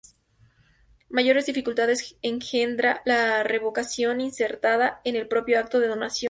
Mayores dificultades engendra la revocación insertada en el propio acto de donación.